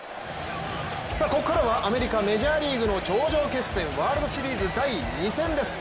ここからはアメリカメジャーリーグの頂上決戦、ワールドシリーズ第２戦です。